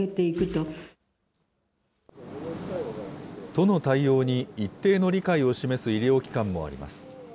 都の対応に一定の理解を示す医療機関もあります。